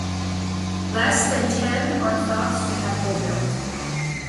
Less than ten are thought to have been built.